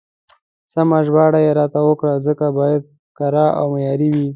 سمه ژباړه يې راته وکړه، ځکه بايد کره او معياري وي.